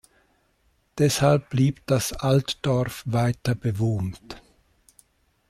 Deshalb blieb das Altdorf weiter bewohnt.